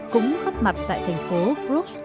cũng gấp mặt tại thành phố bruges